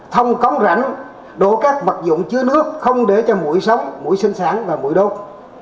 thông cống rảnh đổ các mật dụng chứa nước không để cho mũi sống mũi sinh sản và mũi đốt